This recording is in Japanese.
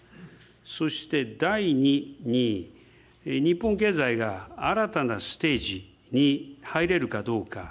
そして第２に、日本経済が新たなステージに入れるかどうか。